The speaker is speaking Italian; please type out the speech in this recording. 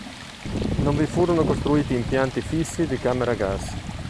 Non vi furono costruiti impianti fissi di camere a gas.